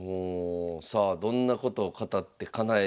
どんなことを語ってかなえていくのか。